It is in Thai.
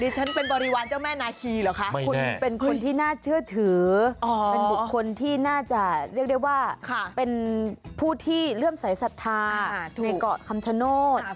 ฉันเป็นบริวารเจ้าแม่นาคีเหรอคะคุณเป็นคนที่น่าเชื่อถือเป็นบุคคลที่น่าจะเรียกได้ว่าเป็นผู้ที่เลื่อมสายศรัทธาในเกาะคำชโนธ